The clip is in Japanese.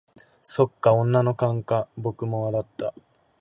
「そっか、女の勘か」僕も笑った。